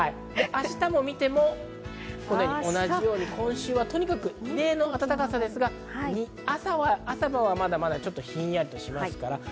明日を見てもこのように同じように、今週は異例の暖かさですが、朝晩はまだまだひんやりとしますから。